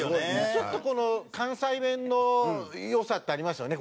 ちょっと関西弁の良さってありますよね。